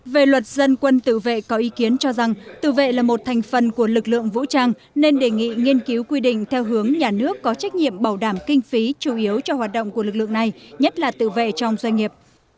về luật dân quân tự vệ có ý kiến cho rằng tự vệ là một thành phần của lực lượng vũ trang nên đề nghị nghiên cứu quy định theo hướng nhà nước có trách nhiệm bảo đảm kinh phí chủ yếu cho hoạt động của lực lượng này nhất là tự vệ trong doanh nghiệp